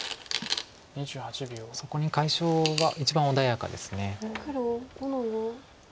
そこに解消は一番穏やかです。